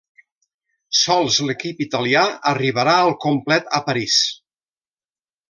Sols l'equip italià arribarà al complet a París.